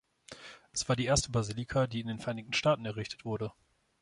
Es war die erste Basilika, die in den Vereinigten Staaten errichtet wurde.